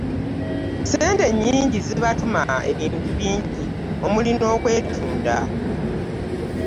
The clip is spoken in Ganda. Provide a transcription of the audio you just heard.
Ssente ennyingi zibatuma ebintu bingi omuli n'okwetunda